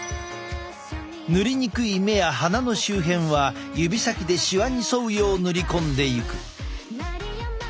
塗りにくい目や鼻の周辺は指先でシワに沿うよう塗り込んでいく。